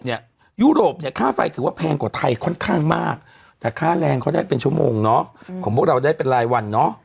หรือว่าพี่เจี๊ยบเขาโพสต์หรือเปล่า